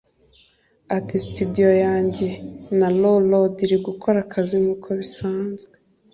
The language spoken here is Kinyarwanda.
Ati “Studio yanjye Narrow Road iri gukora akazi nk’uko bisanzwe